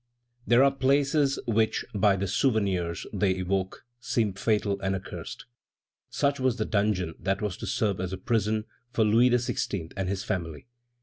There are places which, by the very souvenirs they evoke, seem fatal and accursed. Such was the dungeon that was to serve as a prison for Louis XVI. and his family.